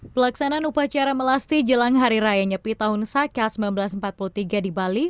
pelaksanaan upacara melasti jelang hari raya nyepi tahun saka seribu sembilan ratus empat puluh tiga di bali